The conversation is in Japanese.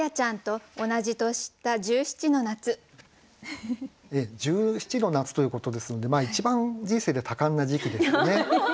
「十七の夏」ということですので一番人生で多感な時期ですよね。